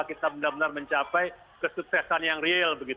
kita benar benar mencapai kesuksesan yang real